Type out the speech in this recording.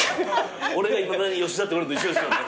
俺がいまだに吉田って言われるのと一緒ですよね。